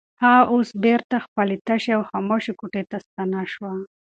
هغه اوس بېرته خپلې تشې او خاموشې کوټې ته ستنه شوه.